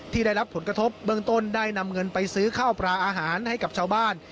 ได้รับผลกระทบเบื้องต้นได้นำเงินไปซื้อข้าวปลาอาหารให้กับชาวบ้าน